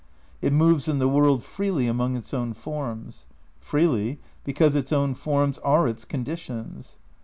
It moves in the world freely among its own forms. Freely, because its own forms are its condi tions.